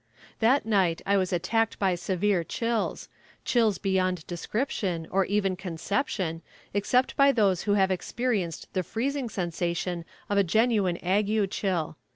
That night I was attacked by severe chills chills beyond description, or even conception, except by those who have experienced the freezing sensation of a genuine ague chill.